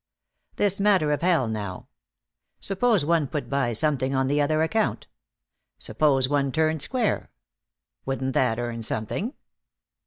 This matter of hell, now? Suppose one put by something on the other account? Suppose one turned square? Wouldn't that earn something?